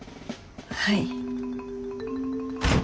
はい。